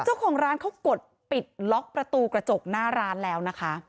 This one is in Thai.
เจ้าของร้านเขากดปิดล็อกประตูกระจกหน้าร้านแล้วนะคะ